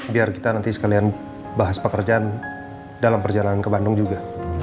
biar kita nanti sekalian bahas pekerjaan dalam perjalanan ke bandung juga